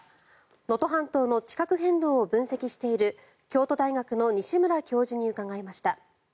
能登半島の地殻変動を分析している京都大学の西村教授に伺いました。